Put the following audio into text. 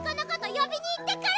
よびにいってくる！